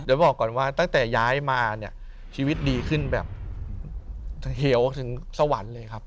เดี๋ยวบอกก่อนว่าตั้งแต่ย้ายมาเนี่ยชีวิตดีขึ้นแบบเหวถึงสวรรค์เลยครับ